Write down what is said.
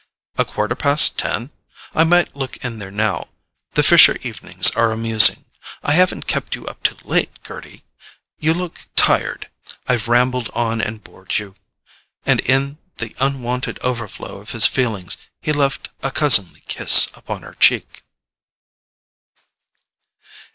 "A quarter past ten? I might look in there now; the Fisher evenings are amusing. I haven't kept you up too late, Gerty? You look tired—I've rambled on and bored you." And in the unwonted overflow of his feelings, he left a cousinly kiss upon her cheek.